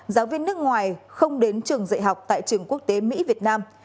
giáo viên nước ngoài không đến trường dạy học tại trường quốc tế mỹ việt nam